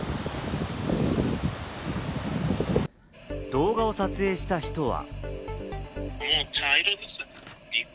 動画を撮影した人は。